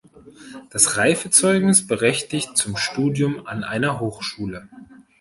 Das Reifezeugnis berechtigt zum Studium an einer Hochschule.